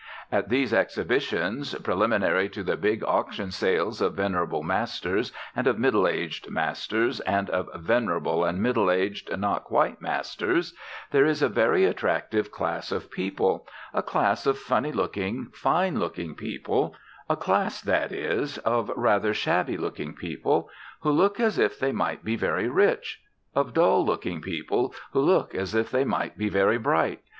At these exhibitions preliminary to the big auction sales of venerable masters, and of middle aged masters, and of venerable and middle aged not quite masters, there is a very attractive class of people, a class of funny looking, fine looking people, a class, that is, of rather shabby looking people who look as if they might be very rich, of dull looking people who look as if they might be very bright.